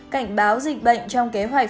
cảnh báo dịch bệnh trong kế hoạch